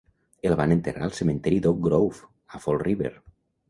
El van enterrar al cementiri d'Oak Grove a Fall River.